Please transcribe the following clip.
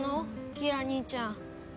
ギラ兄ちゃん。